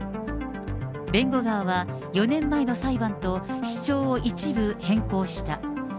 弁護側は、４年前の裁判と主張を一部変更した。